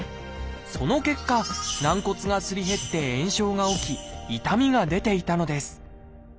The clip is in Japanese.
その結果軟骨がすり減って炎症が起き痛みが出ていたのです。